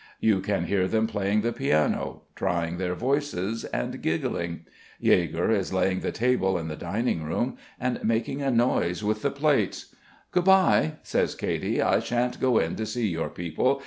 You can hear them playing the piano, trying their voices and giggling. Yegor is laying the table in the dining room and making a noise with the plates. "Good bye," says Katy. "I shan't go in to see your people.